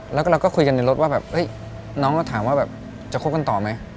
แล้วก็เราก็คุยกันในรถว่าแบบน้องก็ถามว่าแบบจะคบกันต่อไหม